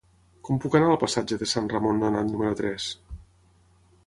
Com puc anar al passatge de Sant Ramon Nonat número tres?